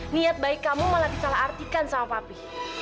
niat baik kamu malah disalah artikan sama papi